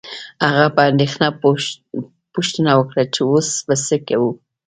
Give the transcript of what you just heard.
هغه په اندیښنه پوښتنه وکړه چې اوس به څه کوو